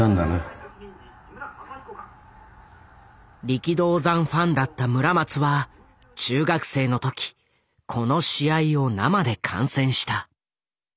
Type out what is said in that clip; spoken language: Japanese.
力道山ファンだった村松は中学生の時この試合を生で観戦した。